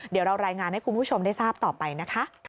เดี๋ยวเรารายงานให้คุณผู้ชมได้ทราบต่อไปนะคะ